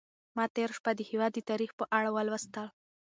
ما تېره شپه د هېواد د تاریخ په اړه ولوستل.